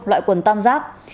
loại quần tam giác